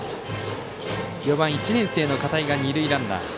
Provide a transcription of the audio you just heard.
４番１年生の片井が二塁ランナー。